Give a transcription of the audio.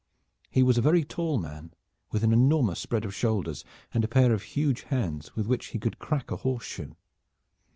He was a very tall man, with an enormous spread of shoulders, and a pair of huge hands with which he could crack a horse shoe.